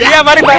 iya pak d